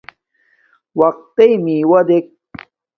رقرَتݵئ مݵݸݺ دݵک.